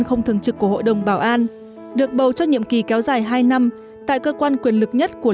hãng tin của hội đồng bảo an được bầu cho nhiệm kỳ kéo dài hai năm tại cơ quan quyền lực nhất của